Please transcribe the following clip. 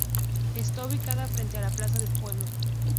Está ubicada frente a la plaza del pueblo.